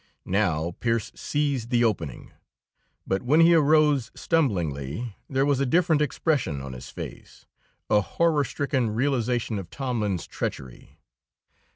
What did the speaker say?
Now Pearse seized the opening; but when he arose, stumblingly, there was a different expression on his face, a horror stricken realization of Tomlin's treachery.